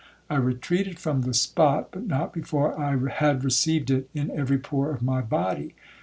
I retreated from the spot, but not before I had received it in every pore of my body.